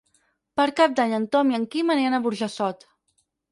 Per Cap d'Any en Tom i en Quim aniran a Burjassot.